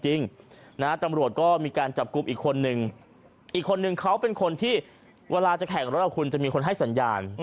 จังหวัดก็มีการจับกลุ่มอีกคนหนึ่งเค้าเป็นคนที่เวลาจะแข่งรถกับคุณจะมีคนให้สัญญาณ